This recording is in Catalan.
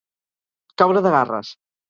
Caure de garres.